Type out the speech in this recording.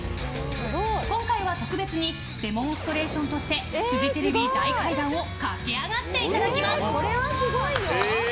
今回は特別にデモンストレーションとしてフジテレビ大階段を駆け上がっていただきます。